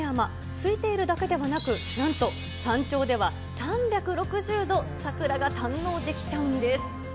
すいているだけではなく、なんと山頂では３６０度桜が堪能できちゃうんです。